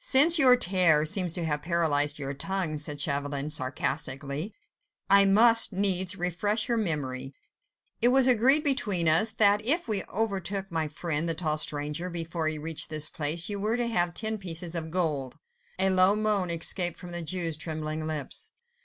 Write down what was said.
"Since your terror seems to have paralyzed your tongue," said Chauvelin, sarcastically, "I must needs refresh your memory. It was agreed between us, that if we overtook my friend the tall stranger, before he reached this place, you were to have ten pieces of gold." A low moan escaped from the Jew's trembling lips.